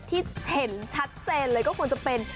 ที่เห็นชัดเจนเลยก็ควรจะเป็น